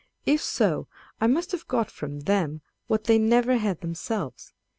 If so, I must have got from them what they never had themselves.